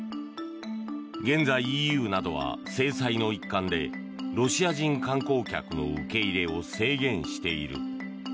現在、ＥＵなどは制裁の一環でロシア人観光客の受け入れを制限している。